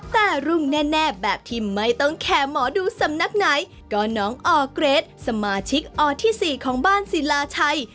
แต่รุ่งแน่แบบที่ไม่ต้องแคร์หมอดูสำนักไหนก็น้องออร์เกรดสมาชิกอที่๔ของบ้านศิลาชัย